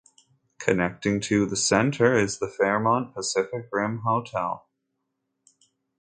Connecting to the centre is the Fairmont Pacific Rim hotel.